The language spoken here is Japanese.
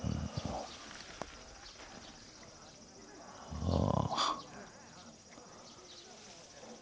ああ。